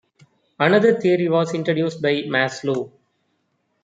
Another theory was introduced by Maslow.